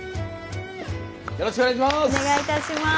よろしくお願いします！